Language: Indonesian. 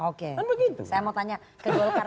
oke saya mau tanya ke golkar